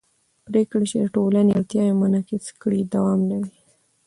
پرېکړې چې د ټولنې اړتیاوې منعکس کړي دوام لري